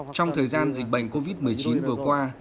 trong thời gian dịch bệnh covid một mươi chín vừa qua